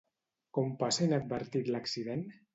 Com passa inadvertit l'accident?